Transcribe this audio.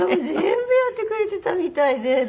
全部やってくれてたみたいで。